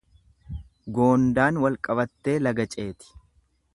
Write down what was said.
Goondaan wal qabattee laga ceeti.